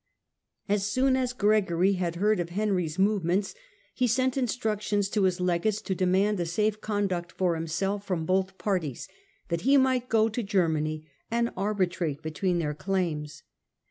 As soon as Gregory had heard of Henry's move ments, he sent instructions to his legates to demand a safe conduct for himself from both parties, that he might go to Germany and arbitrate between their claims.